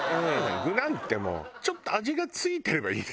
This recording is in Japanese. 具なんてもうちょっと味が付いてればいいのよ。